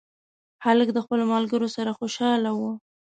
هلک د خپلو ملګرو سره خوشحاله و.